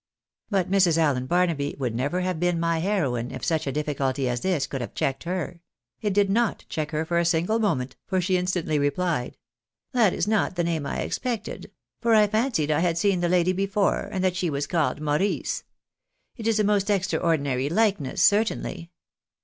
But Mrs. Allen Barnaby would never have been my heroine if such a difficulty as this could have checked her ; it did not check her for a single moment, for she instantly replied —" That is not the name I expected ; for I fancied I had seen the lady before, and that she was called ilorrice. It is a most extra ordinary likeness, certainly.